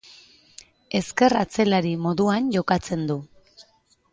Ezker atzelari moduan jokatzen du.